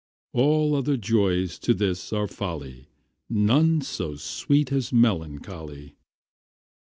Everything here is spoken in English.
All other joys to this are folly, None so sweet as melancholy.